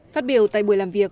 phát biểu tại buổi làm việc